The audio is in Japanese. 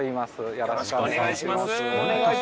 よろしくお願いします。